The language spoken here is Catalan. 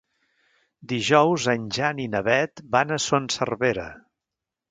Dijous en Jan i na Beth van a Son Servera.